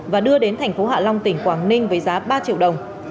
và đưa đến thành phố hạ long tỉnh quảng ninh với giá ba triệu đồng